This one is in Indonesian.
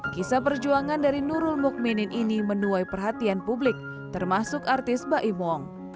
kisah perjuangan dari nurul mukminin ini menuai perhatian publik termasuk artis baimong